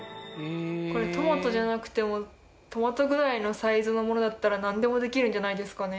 これトマトじゃなくてもトマトぐらいのサイズのものだったらなんでもできるんじゃないですかね？